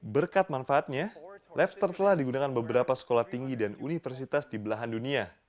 berkat manfaatnya labster telah digunakan beberapa sekolah tinggi dan universitas di belahan dunia